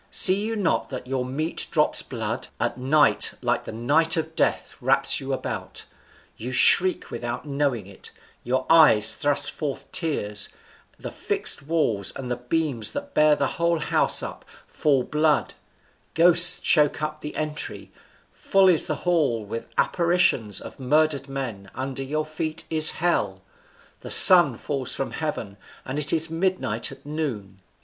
see you not that your meat drops blood? a night, like the night of death, wraps you about; you shriek without knowing it; your eyes thrust forth tears; the fixed walls, and the beam that bears the whole house up, fall blood; ghosts choke up the entry; full is the hall with apparitions of murdered men; under your feet is hell; the sun falls from heaven, and it is midnight at noon."